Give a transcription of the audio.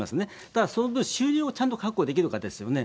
ただ、その分、収入もちゃんと確保できるかですよね。